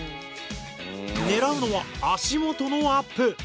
狙うのは足元のアップ。